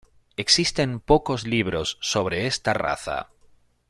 Existen pocos libros sobre esta raza